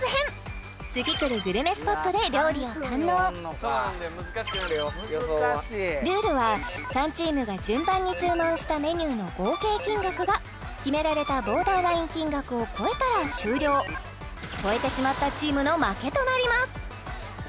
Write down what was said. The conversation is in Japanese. そんな３組で行うルールは３チームが順番に注文したメニューの合計金額が決められたボーダーライン金額を超えたら終了超えてしまったチームの負けとなります